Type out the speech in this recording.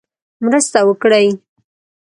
مرسته وکړي.